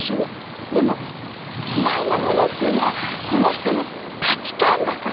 でも嫌いなものっていうのはその人の価値観だから。